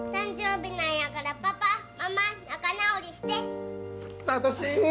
誕生日なんやから、パパ、ママ、仲直りして。